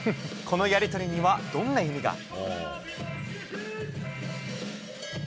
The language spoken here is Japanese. このやりとりにはどんな意味が。